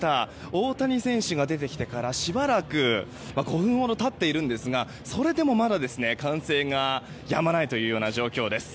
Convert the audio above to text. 大谷選手が出てきてから５分ほど経っていますがそれでもまだ歓声がやまない状況です。